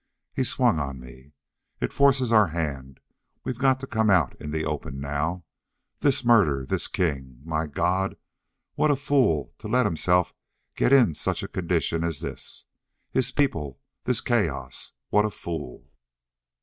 He swung on me. "It forces our hand; we've got to come out in the open now! This murder this king! My God, what a fool to let himself get into such a condition as this! His people this chaos what a fool!"